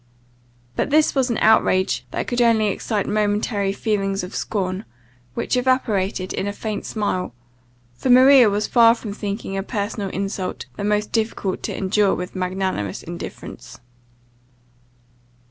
But this was an outrage that could only excite momentary feelings of scorn, which evaporated in a faint smile; for Maria was far from thinking a personal insult the most difficult to endure with magnanimous indifference.